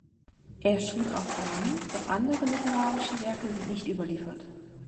Er schrieb auch Dramen, doch andere literarische Werke sind nicht überliefert.